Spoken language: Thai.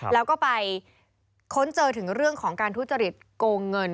แล้วก็ไปค้นเจอถึงเรื่องของการทุจริตโกงเงิน